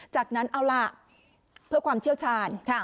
จากนั้นเอาล่ะเพื่อความเชี่ยวชาญ